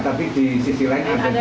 tapi di sisi lain ada juga sayatan